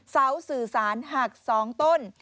เสาสื่อสารหัก๒ต้น